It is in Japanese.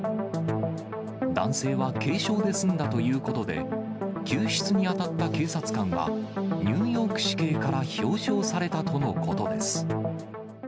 男性は軽傷で済んだということで、救出にあたった警察官は、ニューヨーク市警から表彰されたとのことです。